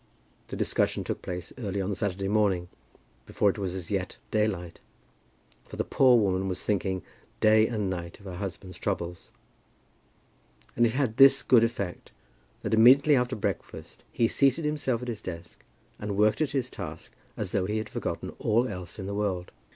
The discussion took place early on the Saturday morning, before it was as yet daylight, for the poor woman was thinking day and night of her husband's troubles, and it had this good effect, that immediately after breakfast he seated himself at his desk, and worked at his task as though he had forgotten all else in the world.